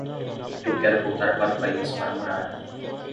Eu quero voltar para o país para morar.